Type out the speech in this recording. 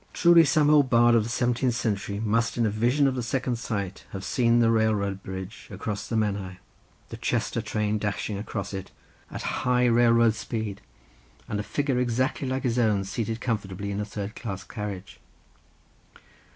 Truly some old bard of the seventeenth century must in a vision of the second sight have seen the railroad bridge across the Menai, the Chester train dashing across it at high railroad speed, and a figure exactly like his own seated comfortably in a third class carriage.